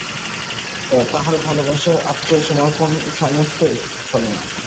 তাহার ভালো-বাসার আত্মসমর্পণ সমস্তই ছলনা!